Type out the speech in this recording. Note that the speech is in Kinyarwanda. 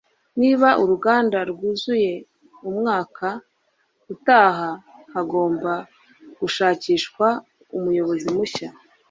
Niba uruganda rwuzuye umwaka utaha hagomba gushakishwa umuyobozi mushya